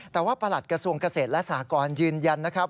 แต่ว่าประหลัดกระทรวงเกษตรและสหกรยืนยันนะครับ